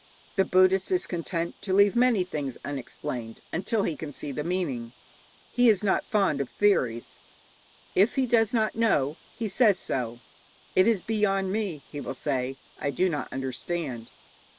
The Buddhist is content to leave many things unexplained until he can see the meaning. He is not fond of theories. If he does not know, he says so. 'It is beyond me,' he will say; 'I do not understand.'